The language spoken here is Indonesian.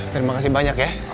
terima kasih banyak ya